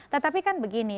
tetapi kan begini